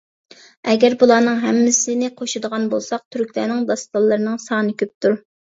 ئەگەر بۇلارنىڭ ھەممىسىنى قوشىدىغان بولساق تۈركلەرنىڭ داستانلىرىنىڭ سانى كۆپتۇر.